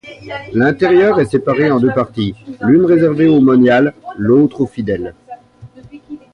L'intérieur est séparé en deux parties, l'une réservée aux moniales, l'autre aux fidèles.